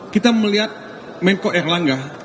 kita melihat menko erlangga